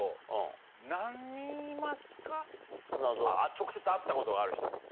直接会ったことがある人。